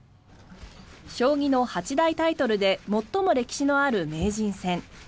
将棋の八大タイトルで最も歴史のある名人戦。